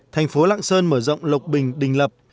thành phố lạng sơn mở rộng lộc bình đình lập